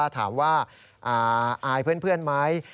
ถามว่าอายเพื่อนไหม